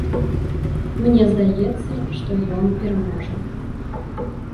Мне здаецца, што ён пераможа.